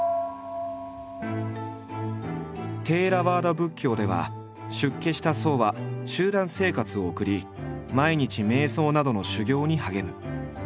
テーラワーダ仏教では出家した僧は集団生活を送り毎日瞑想などの修行に励む。